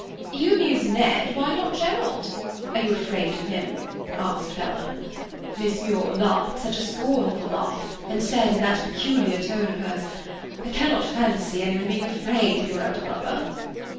"'You amuse Ned, why not Gerald? Are you afraid of him?' asked Bella. "Miss Muir laughed, such a scornful laugh, and said, in that peculiar tone of hers, 'I cannot fancy anyone being afraid of your elder brother.